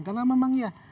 karena memang ya